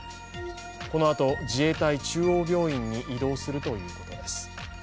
このあと自衛隊中央病院に移動するということです。